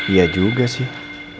iya juga sih